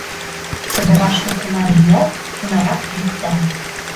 Чодыраште кунар йӱат, тунарак йӱкта.